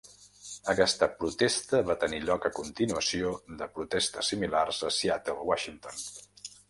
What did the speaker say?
Aquesta protesta va tenir lloc a continuació de protestes similars a Seattle Washington.